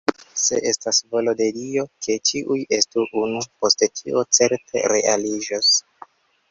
Se estas volo de Dio, ke ĉiuj estu unu, poste tio certe realiĝos.